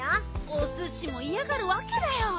おすしもいやがるわけだよ。